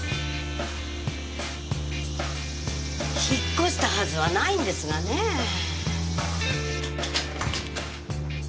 引っ越したはずはないんですがねぇ。